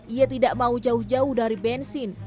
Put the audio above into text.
ia tidak mau jauh jauh dari bensin